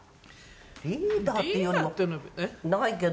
リーダーっていうのもないけども。